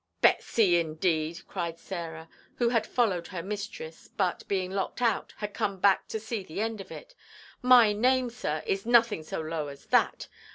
"Betsy, indeed!" cried Sarah, who had followed her mistress, but, being locked out, had come back to see the end of it; "my name, sir, is nothing so low as that.